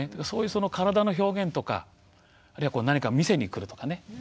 そういう体の表現とかあるいは何かを見せにくるとかね。